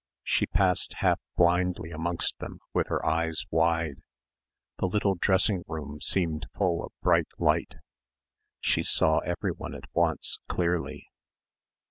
She passed half blindly amongst them with her eyes wide. The little dressing room seemed full of bright light. She saw everyone at once clearly.